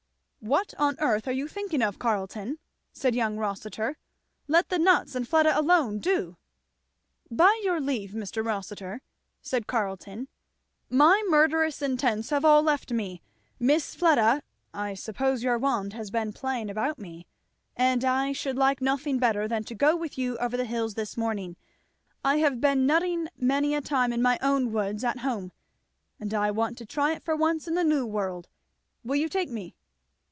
"What on earth are you thinking of, Carleton?" said young Rossitur. "Let the nuts and Fleda alone, do!" "By your leave, Mr. Rossitur," said Carleton. "My murderous intents have all left me, Miss Fleda, I suppose your wand has been playing about me and I should like nothing better than to go with you over the hills this morning. I have been a nutting many a time in my own woods at home, and I want to try it for once in the New World. Will you take me?"